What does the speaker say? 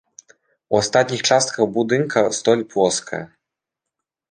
У астатніх частках будынка столь плоская.